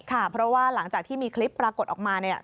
ค่ะเพราะว่าหลังจากที่มีคลิปปรากฏออกมาเนี่ย